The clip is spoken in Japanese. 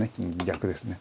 逆ですね。